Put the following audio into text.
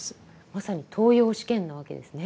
まさに登用試験なわけですね。